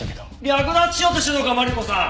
略奪しようとしてるのかマリコさん！